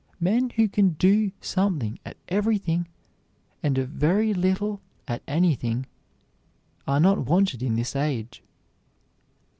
Men who can do something at everything and a very little at anything are not wanted in this age.